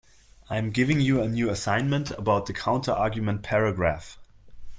I am giving you a new assignment about the counterargument paragraph.